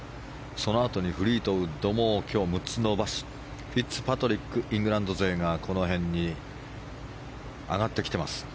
そのあとにフリートウッドも今日、６つ伸ばしてフィッツパトリックイングランド勢がこの辺に上がってきてます。